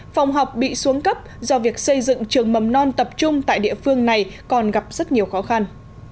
phòng học bị xuống cấp do việc xây dựng trường mầm non tập trung tại địa phương này còn gặp rất nhiều khó khăn